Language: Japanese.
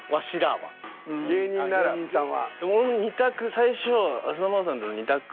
ああ芸人さんは。